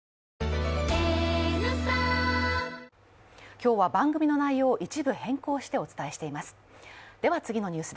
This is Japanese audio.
今日は番組の内容を一部変更してお伝えしています。